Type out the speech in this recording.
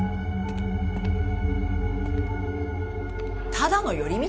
ただの寄り道？